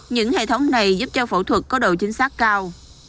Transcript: những hệ thống này giúp cho phẫu thuật có độ chính xác cao